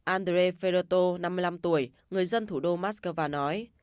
andrei fedoto năm mươi năm tuổi người dân thủ đô moscow nói